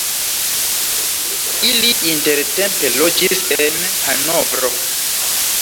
Ili intertempe loĝis en Hanovro.